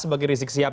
sebagai rizik siap